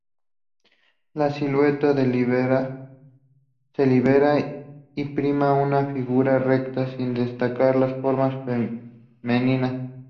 La silueta se libera y prima una figura recta, sin destacar las formas femeninas.